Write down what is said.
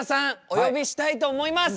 お呼びしたいと思います。